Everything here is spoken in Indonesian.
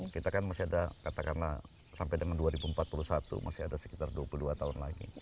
kita kan masih ada katakanlah sampai dengan dua ribu empat puluh satu masih ada sekitar dua puluh dua tahun lagi